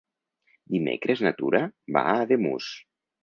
Dimecres na Tura va a Ademús.